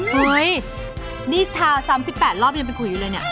เฮ้ยนี่ทาวน์๓๘รอบยังเป็นขุยเลยเนี่ย